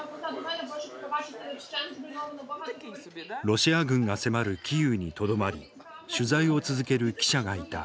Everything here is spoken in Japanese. ロシア軍が迫るキーウにとどまり取材を続ける記者がいた。